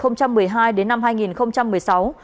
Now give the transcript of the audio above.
phan công quốc đã đưa thành công năm mươi bảy triệu đồng